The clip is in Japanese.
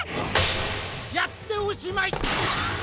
やっておしまい！